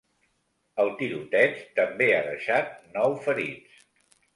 El tiroteig també ha deixat nou ferits.